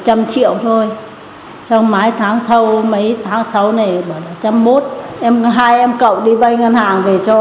hai em cậu đi vay ngân hàng về cho